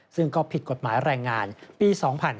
ซึ่งก็ผิดกฎหมายแรงงานปี๒๕๕๙